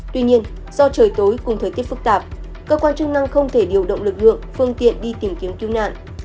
tuy nhiên do trời tối cùng thời tiết phức tạp cơ quan chức năng không thể điều động lực lượng phương tiện đi tìm kiếm cứu nạn